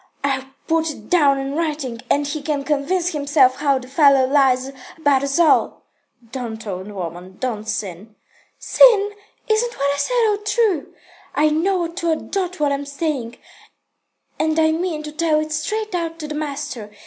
I'll put it down in writing, and he can convince himself how the fellow lies about us all." "Don't, old woman. Don't sin." "Sin? Isn't what I said all true? I know to a dot what I'm saying, and I mean to tell it straight out to the master.